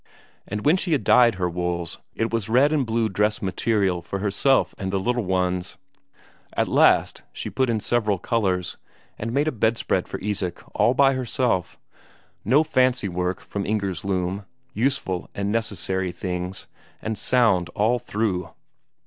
Then when she had dyed her wools, it was red and blue dress material for herself and the little ones; at last she put in several colours, and made a bedspread for Isak all by herself. No fancy work from Inger's loom; useful and necessary things, and sound all through.